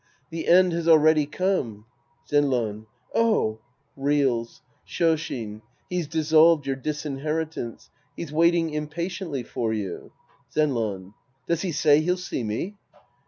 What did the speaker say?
The end has already come. Zenran. Oh ! {Reels.) Shoshin. He's dissolved your disinheritance. He's waiting impatiently for you. Zenran. Does he say he'll see me